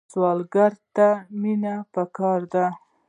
سوالګر ته مینه پکار ده